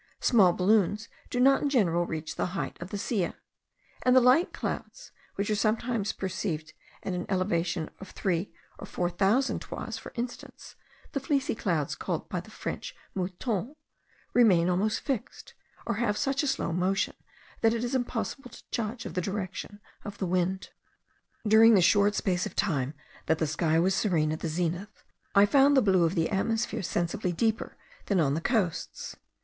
Small balloons do not in general reach the height of the Silla; and the light clouds which are sometimes perceived at an elevation of three or four thousand toises, for instance, the fleecy clouds, called by the French moutons, remain almost fixed, or have such a slow motion, that it is impossible to judge of the direction of the wind. During the short space of time that the sky was serene at the zenith, I found the blue of the atmosphere sensibly deeper than on the coasts.